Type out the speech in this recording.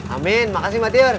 amin makasih mbak tyur